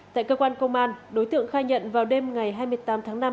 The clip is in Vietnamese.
tại cơ quan công an đối tượng khai nhận vào đêm ngày hai mươi tám tháng năm